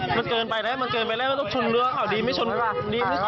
มันเกินไปแล้วมันต้องชนเรือเขาดีไม่ชน